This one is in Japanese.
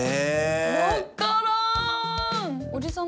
分からん！